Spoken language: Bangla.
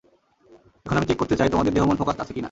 এখন আমি চেক করতে চাই তোমাদের দেহ-মন ফোকাসড আছে কি না।